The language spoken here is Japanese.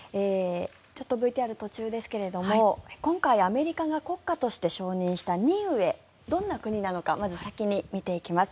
ＶＴＲ途中ですが今回、アメリカが国家として承認したニウエどんな国なのかまず先に見ていきます。